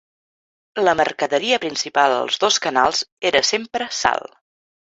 La mercaderia principal als dos canals era sempre sal.